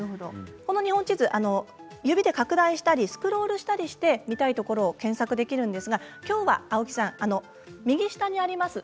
この日本地図を指で拡大したりスクロールしたりして見たいところを検索できるんですが青木さん、きょうは右下にあります。